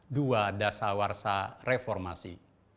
dua dasa warsa reformasi